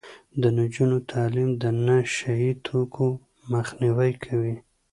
د نجونو تعلیم د نشه يي توکو مخنیوی کوي.